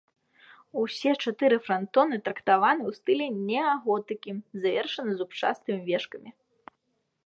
Усе чатыры франтоны трактаваны ў стылі неаготыкі, завершаны зубчастымі вежкамі.